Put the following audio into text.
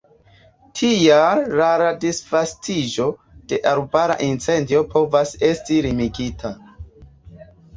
Tial la la disvastiĝo de arbara incendio povas esti limigita.